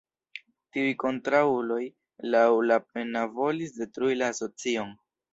Tiuj kontraŭuloj laŭ Lapenna volis detrui la Asocion.